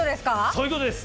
そういうことです！